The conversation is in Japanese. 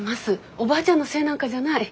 おばあちゃんのせいなんかじゃない。